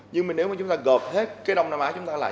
nhưng mà nếu mà chúng ta gợp hết cái đông nam á chúng ta làm